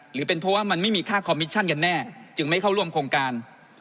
หรือเป็นเพราะว่ามันไม่มีค่าคอมมิชชั่นกันแน่จึงไม่เข้าร่วมโครงการ